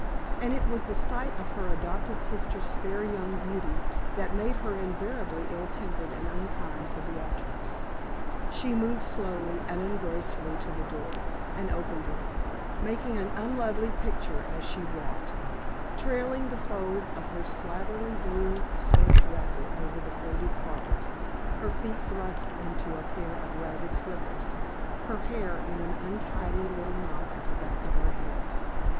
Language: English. And it was the sight of her adopted sister's fair young beauty that made her invariably ill tempered and unkind to Beatrix. She moved slowly and ungraciously to the door, and opened it, making an unlovely picture as she walked, trailing the folds of her slatternly blue serge wrapper over the faded carpet, her feet thrust into a pair of ragged slippers, her hair in an untidy little knot at the back of her head.